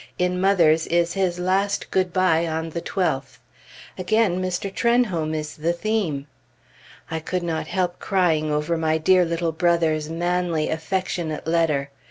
In mother's is his last good bye on the 12th. Again Mr. Trenholm is the theme. I could not help crying over my dear little brother's manly, affectionate letter.